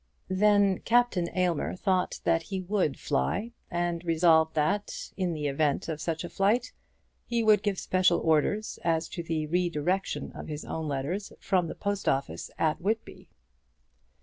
Then Captain Aylmer thought that he would fly, and resolved that, in the event of such flight, he would give special orders as to the re direction of his own letters from the post office at Whitby.